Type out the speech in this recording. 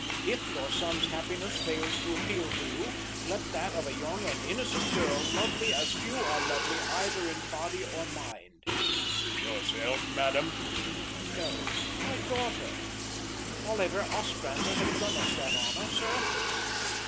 If your son's happiness fails to appeal to you, let that of a young and innocent girl lovely as few are lovely either in body or mind." "Yourself, madam?" "No, my daughter! Oliver Ostrander has done us that honour, sir.